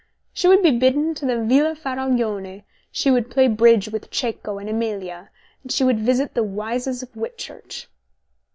She would be bidden to the Villa Faraglione, she would play bridge with Cecco and Amelia, she would visit the Wyses of Whitchurch.